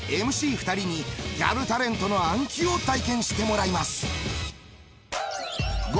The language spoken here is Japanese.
２人にギャルタレントの暗記を体験してもらいます。